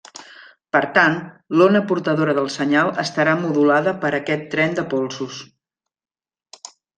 Per tant, l'ona portadora del senyal estarà modulada per aquest tren de polsos.